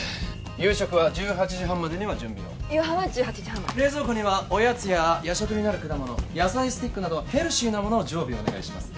夕食は１８時半までには準備を夕飯は１８時半冷蔵庫にはおやつや夜食になる果物野菜スティックなどヘルシーな物を常備お願いします